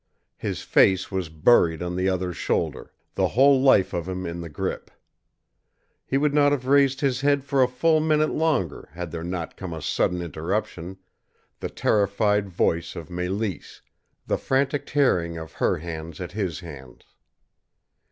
His face was buried on the other's shoulder, the whole life of him in the grip. He would not have raised his head for a full minute longer had there not come a sudden interruption the terrified voice of Mélisse, the frantic tearing of her hands at his hands.